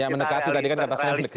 ya mendekati tadi kan kata saya mendekati